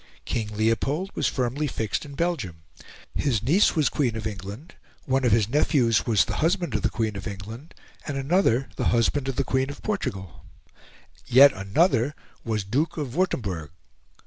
King Leopold was firmly fixed in Belgium; his niece was Queen of England; one of his nephews was the husband of the Queen of England, and another the husband of the Queen of Portugal; yet another was Duke of Wurtemberg.